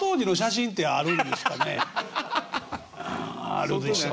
あるでしょ？